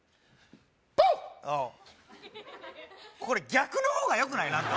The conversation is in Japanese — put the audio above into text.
これ逆の方がよくない？